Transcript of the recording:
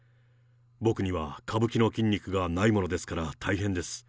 僕には歌舞伎の筋肉がないものですから大変です。